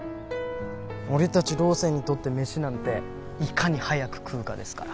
俺たちロー生にとって飯なんていかに早く食うかですから。